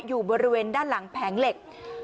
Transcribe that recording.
อยู่บริเวณด้านหลังแผงเหล็ก